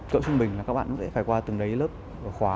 cỡ trung bình là các bạn cũng sẽ phải qua từng đấy lớp khóa